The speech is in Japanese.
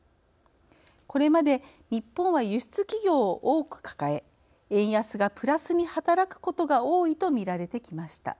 これまで日本は輸出企業を多く抱え円安がプラスに働くことが多いとみられてきました。